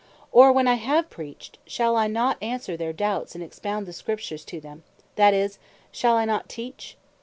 or when I have preached, shall not I answer their doubts, and expound the Scriptures to them; that is shall I not Teach?